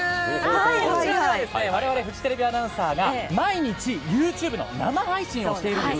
こちらはわれわれフジテレビアナウンサーが毎日ＹｏｕＴｕｂｅの生配信をしているんです。